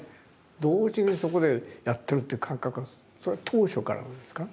同時にそこでやってるって感覚はそれは当初からなんですか？